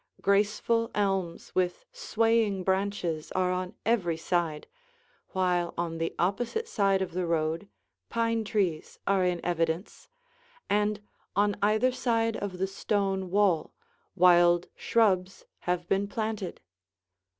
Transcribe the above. Graceful elms with swaying branches are on every side, while on the opposite side of the road pine trees are in evidence, and on either side of the stone wall wild shrubs have been planted.